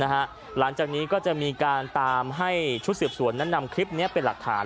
หลังจากนี้ก็จะมีการตามให้ชุดสืบสวนนั้นนำคลิปนี้เป็นหลักฐาน